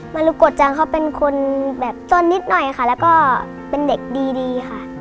มรุโกจังเขาเป็นคนแบบจนนิดหน่อยค่ะแล้วก็เป็นเด็กดีค่ะ